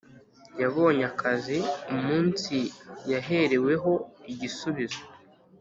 Yabonye akazi umunsi yahereweho igisubizo